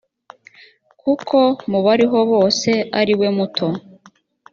kuko mu bariho bose ariwe muto